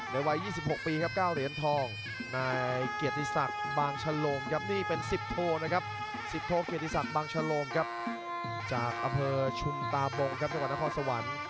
จากอำเภอชุมตาบงครับจังหวัดนครสวรรค์